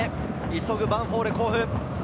急ぐヴァンフォーレ甲府。